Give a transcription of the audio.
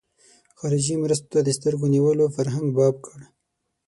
خارجي مرستو ته د سترګو نیولو فرهنګ باب کړ.